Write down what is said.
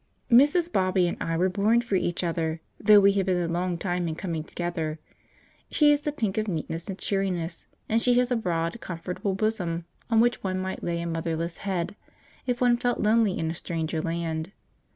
Mrs. Bobby and I were born for each other, though we have been a long time in coming together. She is the pink of neatness and cheeriness, and she has a broad, comfortable bosom on which one might lay a motherless head, if one felt lonely in a stranger land.